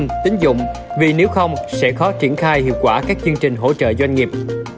ngân tính dụng vì nếu không sẽ khó triển khai hiệu quả các chương trình hỗ trợ doanh nghiệp